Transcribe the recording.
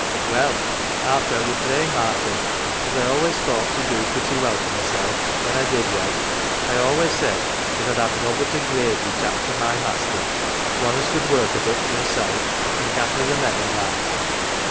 " Well, I'll tell ye plain, Martin, as I always thought to do pretty well for mysel* when I did wed, I always said as I'd have nobbut a gradely chap for my master : one as could work a bit for himsel', an' gaffer the men, an' that.